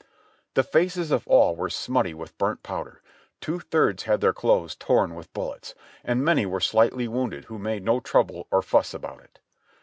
The faces of all were smutty with burnt powder. Two thirds had their clothes torn with bullets, and many were slightly wounded who made no trouble or fuss about it.